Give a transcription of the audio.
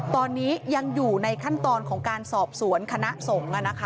ตอนนี้ยังอยู่ในขั้นตอนของการสอบสวนคณะสงฆ์